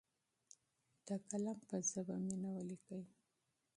د قلم په ژبه مینه ولیکئ.